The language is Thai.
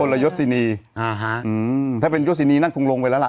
ละยศินีอ่าฮะอืมถ้าเป็นยศินีนั่นคงลงไปแล้วล่ะ